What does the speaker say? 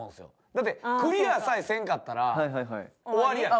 だってクリアさえせんかったら終わりやん。